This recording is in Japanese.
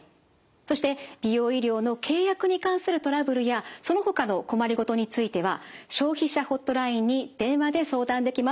そして美容医療の契約に関するトラブルやそのほかの困り事については消費者ホットラインに電話で相談できます。